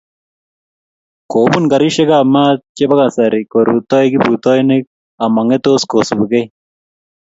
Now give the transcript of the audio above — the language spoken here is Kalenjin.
Kobun garisyekab maat chebo kasari korutoi kiprutoinik ama ng'etos kosupgei